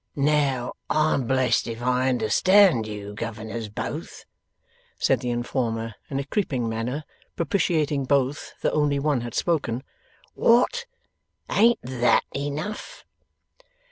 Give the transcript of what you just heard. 'Now, I'm blest if I understand you, Governors Both,' said the informer, in a creeping manner: propitiating both, though only one had spoken. 'What? Ain't THAT enough?